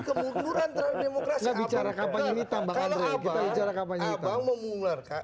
kemuduran terhadap demokrasi bicara bicara kapan hitam bahkan obat obat menyebabkan memularkan